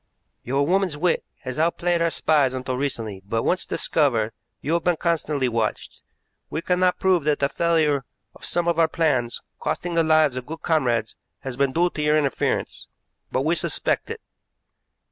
"Your woman's wit has outplayed our spies until recently, but, once discovered, you have been constantly watched. We cannot prove that the failure of some of our plans, costing the lives of good comrades, has been due to your interference, but we suspect it.